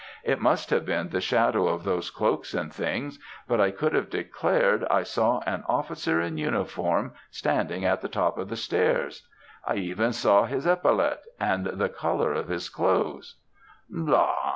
It must have been the shadow of those cloaks and things, but I could have declared I saw an officer in uniform standing at the top of the stairs. I even saw his epaulette and the colour of his clothes.' "'La!